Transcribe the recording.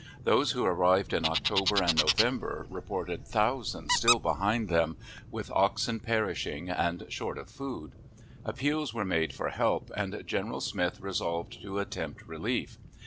Those who arrived in October and November reported thousands still behind them, with oxen perishing, and short of food. Appeals were made for help, and General Smith resolved to attempt relief.